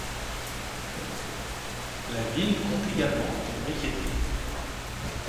La ville compte également une briqueterie.